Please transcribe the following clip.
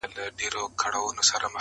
له یخنیه وه بېزار خلک له ګټو -